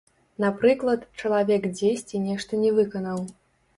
Напрыклад, чалавек дзесьці нешта не выканаў.